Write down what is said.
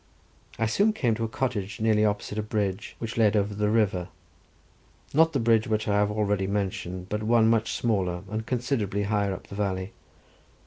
I soon came to a cottage nearly opposite a bridge, which led over the river, not the bridge which I have already mentioned, but one much smaller, and considerably higher up the valley.